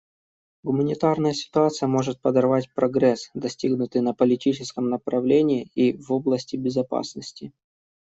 Гуманитарная ситуация может подорвать прогресс, достигнутый на политическом направлении и в области безопасности.